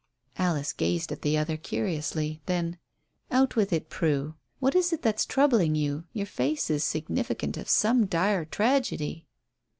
Alice gazed at the other curiously. Then "Out with it, Prue. What is it that's troubling you? Your face is significant of some dire tragedy."